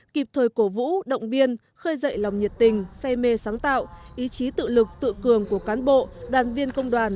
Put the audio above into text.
kịp thời cổ vũ động viên khơi dậy lòng nhiệt tình say mê sáng tạo ý chí tự lực tự cường của cán bộ đoàn viên công đoàn